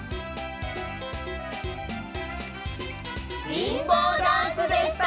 リンボーダンスでした！